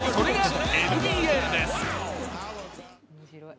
それがＮＢＡです。